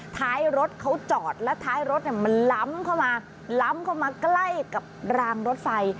ท้ายรถเขาจอดแล้วท้ายรถมันล้ำเข้ามาล้ำเข้ามาใกล้กับรางรถไฟ